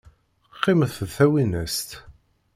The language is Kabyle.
Qqiment d tawinest.